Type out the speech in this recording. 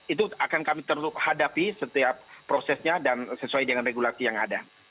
itu akan kami terhadapi setiap prosesnya dan sesuai dengan regulasi yang ada